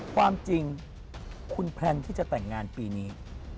ความจริงคุณแพลนที่จะแต่งงานปีนี้